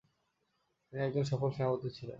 তিনি একজন সফল সেনাপতি ছিলেন।